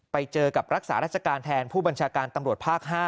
ไปเจอกับรักษาราชการแทนผู้บัญชาการตำรวจภาค๕